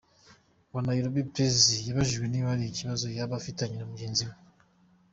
wa Nairobi, Prezzo yabajijwe niba hari ikabazo yaba afitanye na mugenzi we.